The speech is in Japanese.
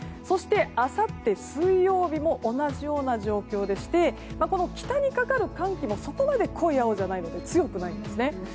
そして、あさって水曜日も同じような状況でしてこの北にかかる寒気もそこまで濃い青じゃないので強くないんですね。